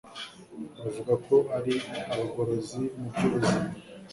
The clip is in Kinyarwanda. bavuga ko ari abagorozi mu by’ubuzima,